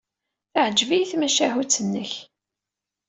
Teɛjeb-iyi tmacahut-nnek.